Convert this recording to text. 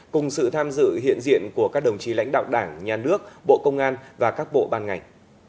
cùng sự tham dự hiện diện của các đồng chí lãnh đạo đảng nhà nước bộ công an và các bộ ban ngành